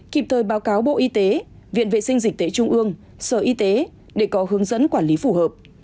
kịp thời báo cáo bộ y tế viện vệ sinh dịch tễ trung ương sở y tế để có hướng dẫn quản lý phù hợp